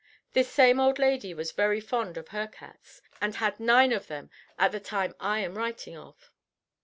This same old lady was very fond of her cats, and had nine of them at the time I am writing of.